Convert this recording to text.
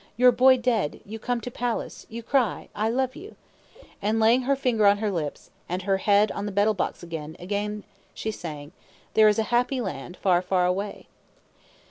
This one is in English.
Your boy dead, you come to palace; you cry I love you"; and laying her finger on her lips, and her head on the betel box again, again she sang, "There is a Happy Land, far, far away!"